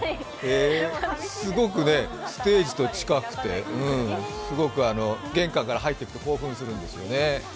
すごくステージと近くてすごく玄関から入っていくと、興奮するんですよね。